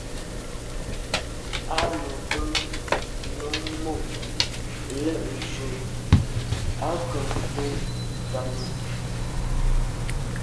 A lo be num mo’ le’njù à nke mfe ntàne.